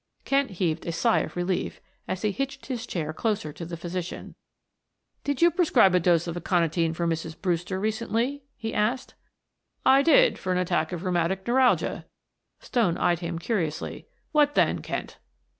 Kent heaved a sigh of relief as he hitched his chair closer to the physician. "Did you prescribe a dose of aconitine for Mrs. Brewster recently?" he asked. "I did, for an attack of rheumatic neuralgia." Stone eyed him curiously. "What then, Kent?"